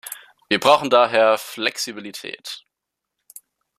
Wir brauchen daher Flexibilität.